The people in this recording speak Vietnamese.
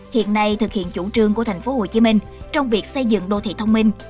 hiện nay thực hiện chủ trương của thành phố hồ chí minh trong việc xây dựng đô thị thông minh